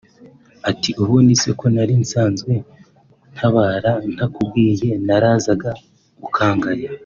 ati “Ubundi se ko nari nsanzwe ntabara ntakubwiye narazaga ukangaya